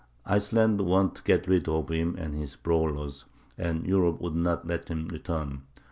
Iceland wanted to get rid of him and his brawlers, and Europe would not let him return.